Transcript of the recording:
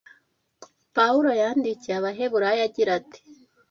Pawulo yandikiye Abaheburayo agira ati